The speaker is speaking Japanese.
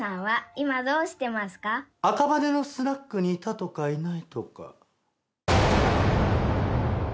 赤羽のスナックにいたとかいないとか。